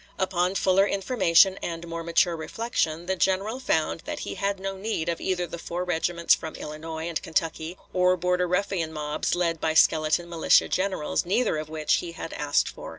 Upon fuller information and more mature reflection, the General found that he had no need of either the four regiments from Illinois and Kentucky, or Border Ruffian mobs led by skeleton militia generals, neither of which he had asked for.